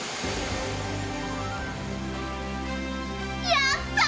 やった！